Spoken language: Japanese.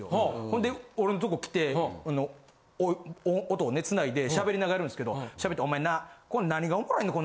ほんで俺んとこ来て音をね繋いでしゃべりながらやるんですけどしゃべって「お前な何がおもろいねん。